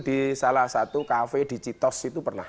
di salah satu kafe di citos itu pernah